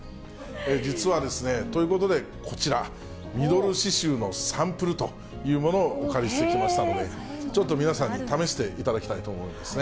実はですね、ということで、こちら、ミドル脂臭のサンプルというものをお借りしてきましたので、ちょっと皆さんに試していただきたいと思うんですね。